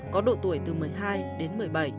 có độ tuổi từ một mươi hai đến một mươi bảy